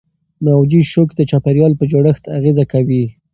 موجي شوک د چاپیریال په جوړښت اغېزه کوي.